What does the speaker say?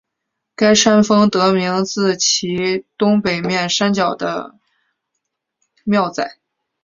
该山峰得名自其东北面山脚的庙仔。